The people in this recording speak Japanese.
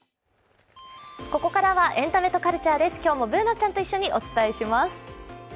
ここからは「エンタメとカルチャー」です今日もＢｏｏｎａちゃんと一緒にお伝えします。